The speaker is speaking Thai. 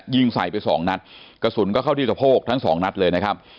ยิงใส่ไปสองนัดกระสุนก็เข้าที่สะโพกทั้งสองนัดเลยนะครับ